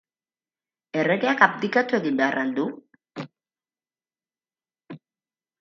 Erregeak abdikatu egin behar al du?